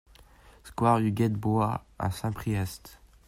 Square Huguette Bois à Saint-Priest